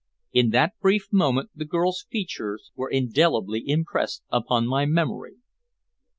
In that brief moment the girl's features were indelibly impressed upon my memory.